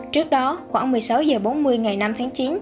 trước đó khoảng một mươi sáu h bốn mươi ngày năm tháng chín